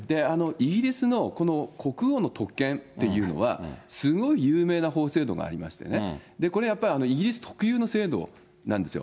イギリスの国王の特権っていうのは、すごい有名な法制度がありましてね、これやっぱり、イギリス特有の制度なんですよ。